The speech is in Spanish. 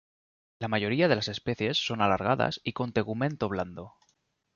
La mayoría de las especies son alargadas y con tegumento blando.